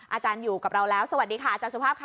อาจารย์อยู่กับเราแล้วสวัสดีค่ะอาจารย์สุภาพค่ะ